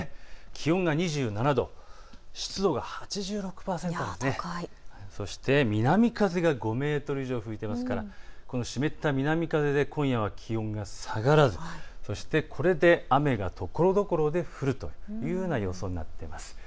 気温が２７度、湿度が８６％、そして南風が５メートル以上吹いてますからこの湿った南風で今夜は気温が下がらずそしてこれで雨がところどころで降るというような予想になっています。